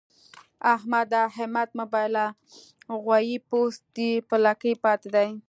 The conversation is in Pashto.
احمده! همت مه بايله؛ غويی پوست دی په لکۍ پاته دی.